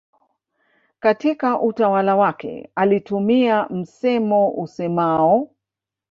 Katika utawala wake alitumia msemo useamao